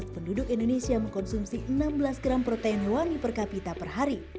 penduduk indonesia mengkonsumsi enam belas gram protein wangi per kapita per hari